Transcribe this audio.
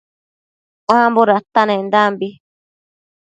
Ambo datanendanbi